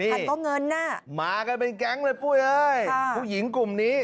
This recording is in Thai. อันก็เงินน่ะมากันเป็นแก๊งเลยปุ้ยเอ้ยผู้หญิงกลุ่มนี้